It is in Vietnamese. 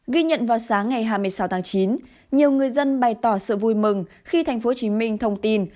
ghi nhận vào sáng ngày hai mươi sáu tháng chín nhiều người dân bày tỏ sự vui mừng khi tp hcm thông tin